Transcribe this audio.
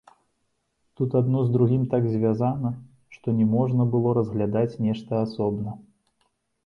Тут адно з другім так звязана, што не можна было разглядаць нешта асобна.